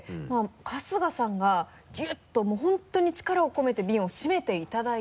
春日さんがギュッともう本当に力を込めてビンをしめていただいて。